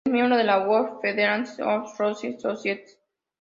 Es miembro de la World Federation of Rose Societies.